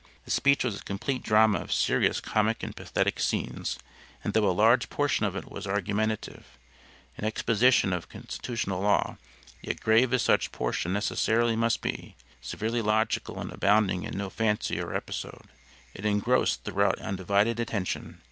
The speech was a complete drama of serious comic and pathetic scenes, and though a large portion of it was argumentative an exposition of constitutional law yet grave as such portion necessarily must be, severely logical and abounding in no fancy or episode, it engrossed throughout undivided attention.